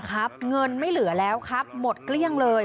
ครับเงินไม่เหลือแล้วครับหมดเกลี้ยงเลย